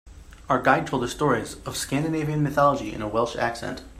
Our guide told us stories of Scandinavian mythology in a Welsh accent.